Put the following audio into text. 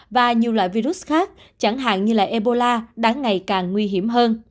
và nhiều loại virus khác chẳng hạn như ebola đã ngày càng nguy hiểm